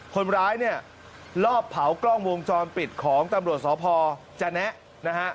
คนร้ายเนี่ยลอบเผากล้องวงจรปิดของตำรวจสพจนะนะฮะ